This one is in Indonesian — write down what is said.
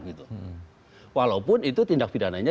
iya walaupun itu tindak fidananya